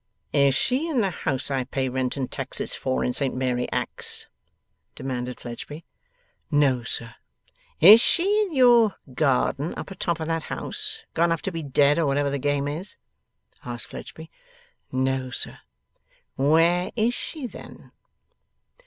'Is she in the house I pay rent and taxes for in Saint Mary Axe?' demanded Fledgeby. 'No, sir.' 'Is she in your garden up atop of that house gone up to be dead, or whatever the game is?' asked Fledgeby. 'No, sir.' 'Where is she then?